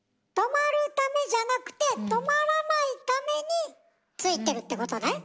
「停まる」ためじゃなくて「停まらない」ために付いてるってことね？